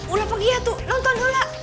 udah pergi ya tuh nonton dulu lah